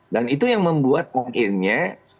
dan itu yang membuat mungkinnya